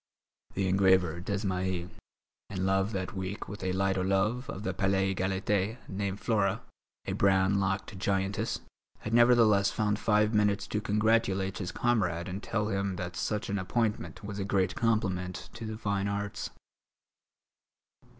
The engraver Desmahis, in love that week with a light o' love of the Palais Égalité named Flora, a brown locked giantess, had nevertheless found five minutes to congratulate his comrade and tell him that such an appointment was a great compliment to the fine arts.